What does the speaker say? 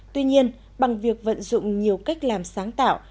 tuy nhiên bằng việc vận dụng nhiều cách làm sáng tạo